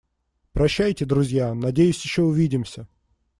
Прощайте друзья, надеюсь ещё увидимся!